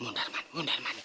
ini yang harus diberikan pak